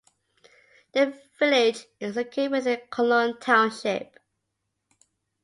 The village is located within Colon Township.